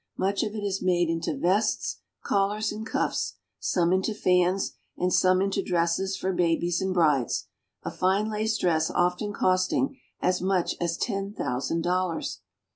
Much of it is made into vests, collars, and cuffs, some into fans, and some into dresses for babies and brides, a fine lace dress often costing as much as ten thousand dollars.